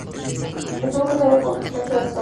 Estuvo casado con Mercedes Torres.